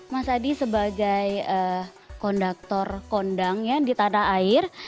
mas adi sebagai kondaktor kondang ya di tanah air